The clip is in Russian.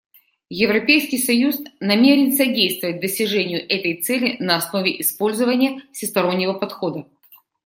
Европейский союз намерен содействовать достижению этой цели на основе использования всестороннего подхода.